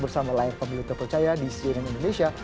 bersama layar pemilu terpercaya di cnn indonesia